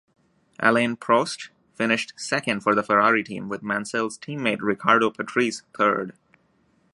Alain Prost finished second for the Ferrari team with Mansell's teammate Riccardo Patrese third.